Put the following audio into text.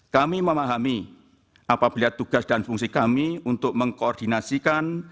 kami memahami apabila tugas dan fungsi kami untuk mengkoordinasikan